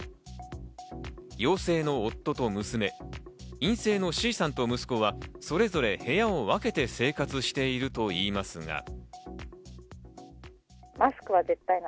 陽性の夫と娘、陰性のＣさんと息子はそれぞれ部屋を分けて生活しているといいますが。